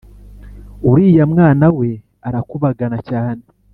uriya mwana we arakubagana cyane